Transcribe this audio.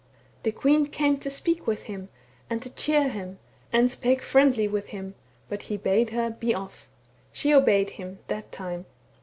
The queen came to speak with him, and to cheer him ; and spake friendly v^th him, but he bade her be ofi". She obeyed him that time.